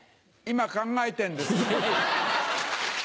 今考えてんです。